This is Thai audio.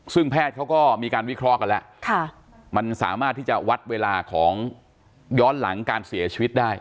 ซึ่งแพทย์เขาก็มีการวิเคราะห์กันแล้วมันสามารถที่จะวัดเวลาของย้อนหลังการเสียชีวิตได้